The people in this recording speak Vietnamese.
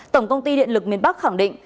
tổng công ty điện lực miền bắc khẳng định